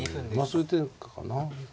そういう手かな。